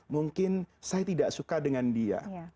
mungkin saya tidak suka dengan dia